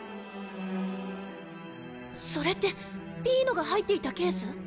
それってピーノが入っていたケース？